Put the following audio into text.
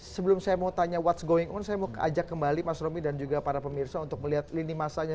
sebelum saya mau tanya ⁇ whats ⁇ going on saya mau ajak kembali mas romy dan juga para pemirsa untuk melihat lini masanya